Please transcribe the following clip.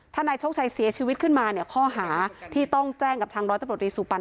ถ้านายโชคชัยเสียชีวิตขึ้นมาเนี่ยข้อหาที่ต้องแจ้งกับทางร้อยตำรวจรีสุปัน